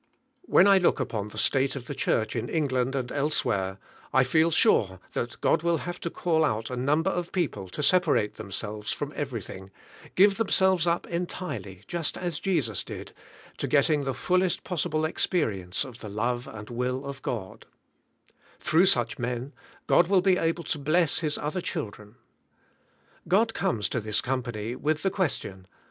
When I look upon the state of the church in Eng land and elsewhere, I feel sure that God will have to call out a number of people to separate themselves from everything, give themselves up entirely, just as Jesus did, to getting the fullest possible experi ence of the love and will of God; through such men God will be able to bless His other children. God comes to this company with the question.